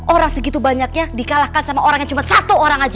orang segitu banyaknya dikalahkan sama orang yang cuma satu orang aja